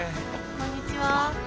こんにちは。